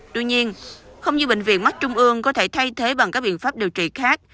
tuy nhiên không như bệnh viện mắt trung ương có thể thay thế bằng các biện pháp điều trị khác